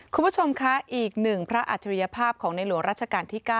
คุณผู้ชมคะอีกหนึ่งพระอัจฉริยภาพของในหลวงรัชกาลที่๙